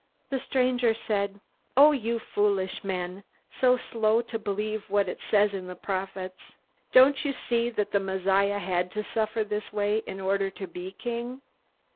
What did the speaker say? The stranger said: "O you foolish men so slow to believe what it says in the Prophets! Don't you see that the Messiah had to suffer this way in order to be King?"